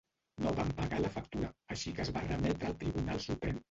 No van pagar la factura, així que es va remetre al tribunal suprem.